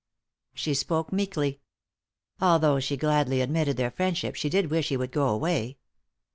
She spoke meekly. Although she gladly admitted their friendship she did wish he would go away.